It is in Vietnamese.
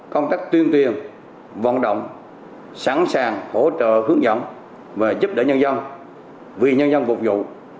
công tác tuyên truyền vận động sẵn sàng hỗ trợ hướng dẫn và giúp đỡ nhân dân vì nhân dân phục vụ